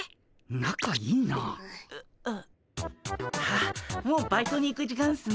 あっもうバイトに行く時間っすね。